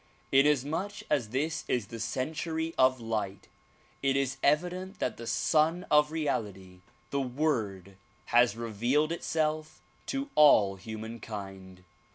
Inasmuch as this is the century of light, it is evident that the Sun of Reality, the Word has revealed itself to all humankind.